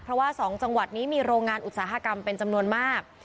เพราะว่า๒จังหวัดนี้มีโรงงานอุตสาหกรรมเป็นจำนวนมาก